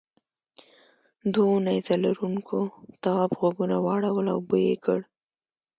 دوو نیزه لرونکو تواب غوږونه واړول او بوی یې کړ.